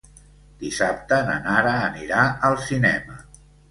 Dissabte na Nara anirà al cinema.